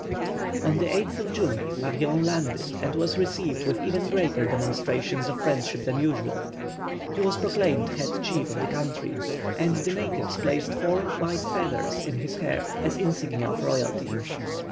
On the 8th of June, Marion landed, and was received with even greater demonstrations of friendship than usual. He was proclaimed head chief of the country, and the natives placed four white feathers in his hair, as insignia of royalty.